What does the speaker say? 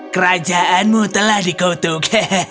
kerajaanmu telah dikutuk